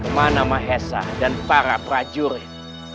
mana mahesa dan para prajurit